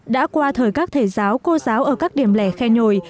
đã qua thời các thầy giáo cô giáo ở các điểm lẻ khe nhồi